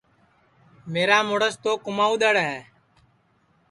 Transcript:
میرا مُرس تو کُماودؔڑ ہے